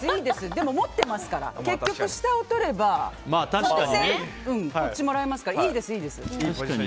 でも持ってますから結局下をとればこっち、もらいますからいいです。